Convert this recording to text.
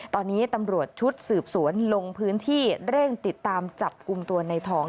ตอนนี้ตำรวจชุดสืบสวนลงพื้นที่เร่งติดตามจับกลุ่มตัวในทอง